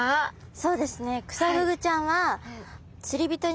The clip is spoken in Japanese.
そうですね。